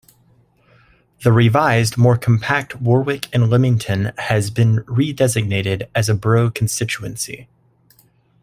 The revised, more compact, Warwick and Leamington has been redesignated as a Borough constituency.